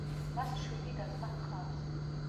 მას შვიდი და-ძმა ჰყავს.